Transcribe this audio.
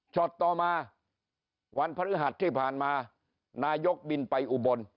ต่อมาวันพฤหัสที่ผ่านมานายกบินไปอุบล